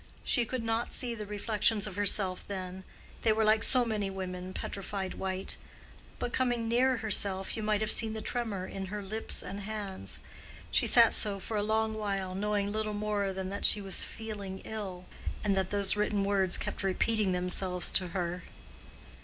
She could not see the reflections of herself then; they were like so many women petrified white; but coming near herself you might have seen the tremor in her lips and hands. She sat so for a long while, knowing little more than that she was feeling ill, and that those written words kept repeating themselves to her.